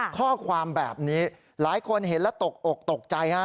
ข้อความแบบนี้หลายคนเห็นแล้วตกอกตกใจฮะ